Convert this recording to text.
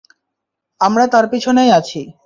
আমরা তার পিছনেই আছি।